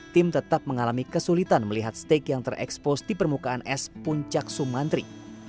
tim tetap mengalami kesulitan melihat steak yang terekspos di permukaan es puncak sumantri